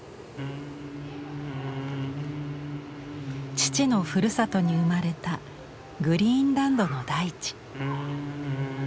父のふるさとに生まれたグリーンランドの大地。